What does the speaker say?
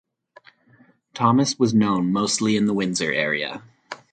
Thomas was known mostly in the Windsor area.